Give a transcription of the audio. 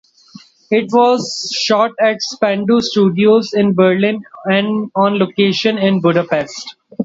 It was shot at the Spandau Studios in Berlin and on location in Budapest.